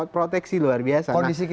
proteksi luar biasa